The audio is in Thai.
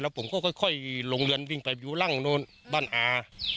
แล้วผมก็ค่อยลงเรือนวิ่งไปอยู่ล่างบ้านอา